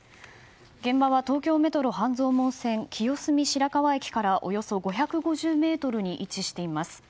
現場は東京メトロ半蔵門線清澄白河駅からおよそ５５０ｍに位置しています。